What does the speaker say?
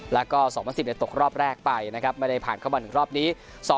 แล้วก็๒๐๑๐ตกรอบแรกไปนะครับไม่ได้ผ่านเข้ามาถึงรอบนี้